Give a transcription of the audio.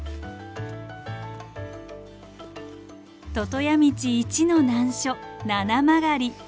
魚屋道一の難所七曲り。